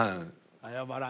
謝らんね。